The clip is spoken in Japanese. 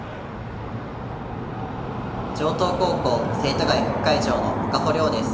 城東高校生徒会副会長の赤保遼です。